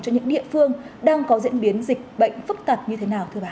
cho những địa phương đang có diễn biến dịch bệnh phức tạp như thế nào thưa bà